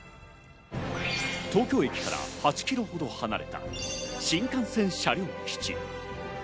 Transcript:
東京駅から８キロほど離れた新幹線車両基地。